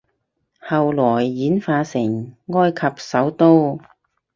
後來演化成埃及首都